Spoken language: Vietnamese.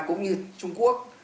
cũng như trung quốc